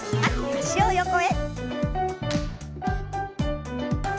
脚を横へ。